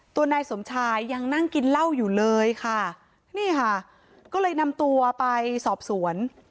นายสมชายยังนั่งกินเหล้าอยู่เลยค่ะนี่ค่ะก็เลยนำตัวไปสอบสวน